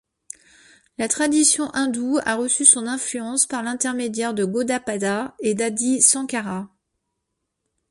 La tradition hindoue a reçu son influence par l’intermédiaire de Gaudapada et d’Adi Shankara.